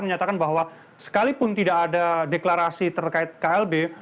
menyatakan bahwa sekalipun tidak ada deklarasi terkait klb